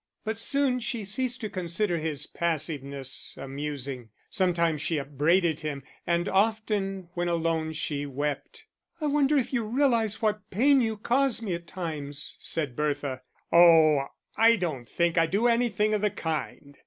But soon she ceased to consider his passiveness amusing, sometimes she upbraided him, and often, when alone, she wept. "I wonder if you realise what pain you cause me at times," said Bertha. "Oh, I don't think I do anything of the kind."